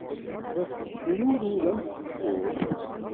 La d-tettecrurud am tsekkurt.